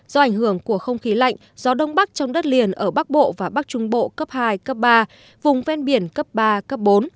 do ảnh hưởng của không khí lạnh gió đông bắc trong đất liền ở bắc bộ và bắc trung bộ cấp hai cấp ba vùng ven biển cấp ba cấp bốn